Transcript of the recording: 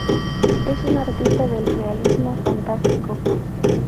Es un artista del Realismo fantástico.